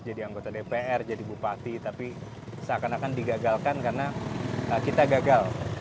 jadi anggota dpr jadi bupati tapi seakan akan digagalkan karena kita gagal